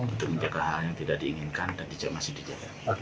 untuk menjaga hal hal yang tidak diinginkan dan masih dijaga